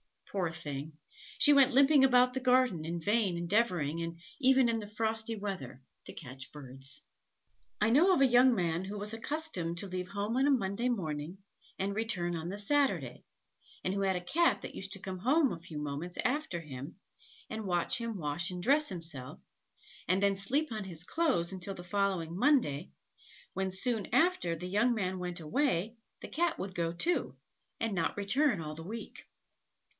Poor thing! she went limping about the garden, in vain endeavouring, even in the frosty weather, to catch birds." I know of a young man who was accustomed to leave home on a Monday morning and return on the Saturday, and who had a Cat that used to come home a few moments after him, and watch him wash and dress himself, and then sleep on his clothes until the following Monday, when soon after the young man went away, the Cat would go too, and not return all the week.